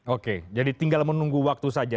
oke jadi tinggal menunggu waktu saja